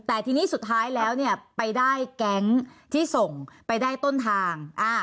แต่ทีนี้สุดท้ายแล้วเนี่ยไปได้แก๊งที่ส่งไปได้ต้นทาง